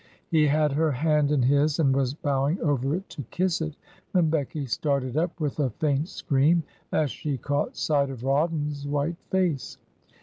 He had her hand in his and was bowing over it to kiss it, when Becky started up with a faint scream as she caught sight of Rawdon's white face.